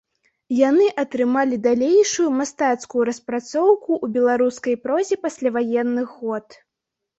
Яны атрымалі далейшую мастацкую распрацоўку ў беларускай прозе пасляваенных год.